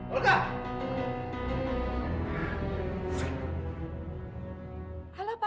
tunggu ya bang ya